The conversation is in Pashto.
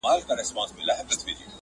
د ژورو اوبو غېږ کي یې غوټې سوې؛